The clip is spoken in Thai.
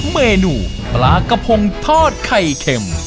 เมนูปลากระพงทอดไข่เข็ม